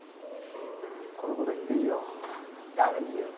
このこと言っていいよ誰に言うの？